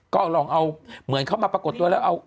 ก็ลองเอาเหมือนเขามาปรากฏตัวแล้วเอา